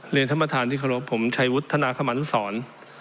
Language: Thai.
เรียนท่านประธานทิศครบผมชายวุฒิธนาขมันศร